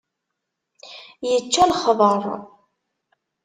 Yečča lexber.